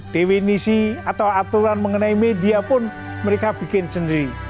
definisi atau aturan mengenai media pun mereka bikin sendiri